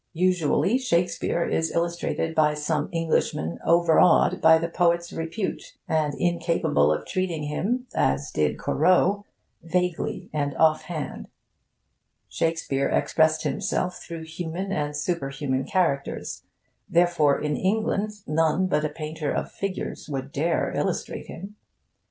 Usually, Shakespeare is illustrated by some Englishman overawed by the poet's repute, and incapable of treating him, as did Corot, vaguely and offhand. Shakespeare expressed himself through human and superhuman characters; therefore in England none but a painter of figures would dare illustrate him.